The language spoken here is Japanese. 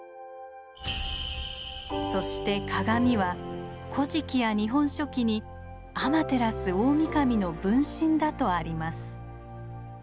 そして鏡は「古事記」や「日本書紀」にアマテラスオオミカミの分身だとあります。